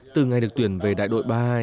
từ ngày được tuyển về đại đội ba hai